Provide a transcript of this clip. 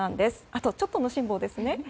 あとちょっとの辛抱ですね。